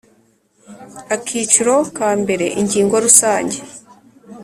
Akiciro ka mbere Ingingo Rusange